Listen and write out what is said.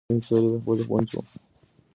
سپین سرې د خپلو ګونځو په منځ کې موسکۍ شوه.